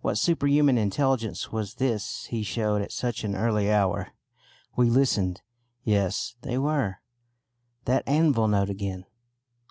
What superhuman intelligence was this he showed at such an early hour. We listened. Yes, they were (that anvil note again!)